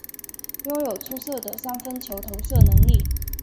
拥有出色的三分球投射能力。